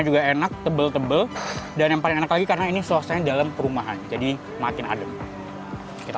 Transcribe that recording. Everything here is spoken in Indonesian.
juga enak tebel tebel dan yang paling enak lagi karena ini suasananya dalam perumahan jadi makin adem kita